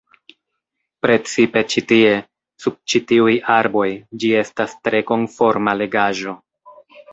Precipe ĉi tie, sub ĉi tiuj arboj ĝi estas tre konforma legaĵo.